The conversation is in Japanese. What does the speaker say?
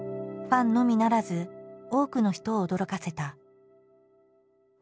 ファンのみならず多くの人を驚かせた。